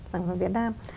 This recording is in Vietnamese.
sản phẩm việt nam